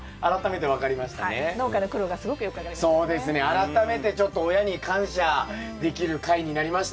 改めてちょっと親に感謝できる回になりましたね